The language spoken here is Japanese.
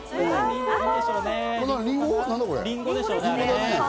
りんごでしょうね。